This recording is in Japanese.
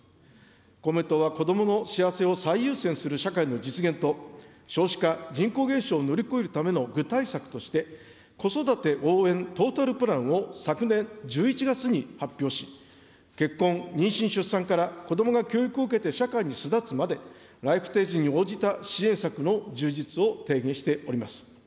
公明党は子どもの幸せを最優先する社会の実現と、少子化、人口減少を乗り越えるための具体策として、子育て応援トータルプランを昨年１１月に発表し、結婚、妊娠・出産からこどもが教育を受けて社会に巣立つまで、ライフステージに応じた支援策の充実を提言しております。